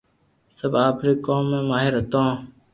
سب آپري ڪوم ماھر ھتو